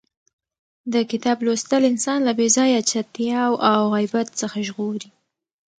د کتاب لوستل انسان له بې ځایه چتیاو او غیبت څخه ژغوري.